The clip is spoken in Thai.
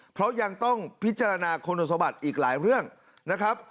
เพราะยังต้องพิจารณาคุณสมบัติอีกหลายเรื่องนะครับ